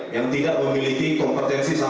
yang tidak memiliki kompetensi sama